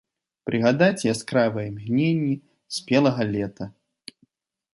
Прыгадаць яскравыя імгненні спелага лета.